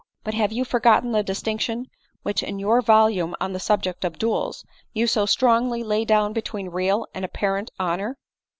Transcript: But have you forgotten the distinction which, in your volume on the subject of duels, you so strongly lay down between real and apparent honor